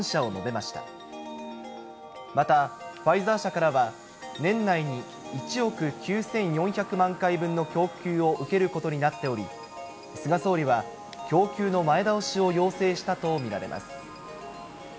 また、ファイザー社からは、年内に１億９４００万回分の供給を受けることになっており、菅総理は、供給の前倒しを要請したと見られます。